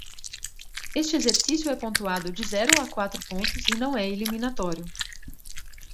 Este exercício é pontuado de zero a quatro pontos e não é eliminatório.